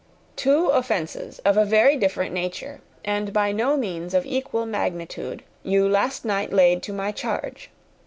"Two offences of a very different nature, and by no means of equal magnitude, you last night laid to my charge.